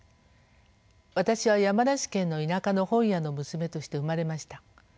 私は山梨県の田舎の本屋の娘として生まれました。